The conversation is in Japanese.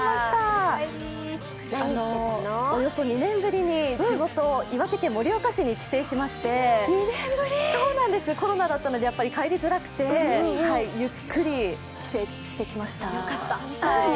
およそ２年ぶりに、地元岩手県盛岡市に帰省しましてコロナだったのでやっぱり帰りづらくて、ゆっくり帰省してきました。